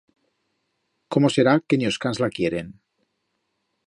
Cómo será, que ni os cans la quieren!